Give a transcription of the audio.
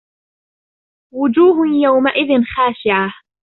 وُجُوهٌ يَوْمَئِذٍ خَاشِعَةٌ